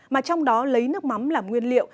mà trong đó lấy nước mắm làm nguyên liệu